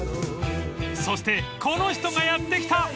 ［そしてこの人がやってきた！］